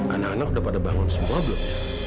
anak anak udah pada bangun semua belum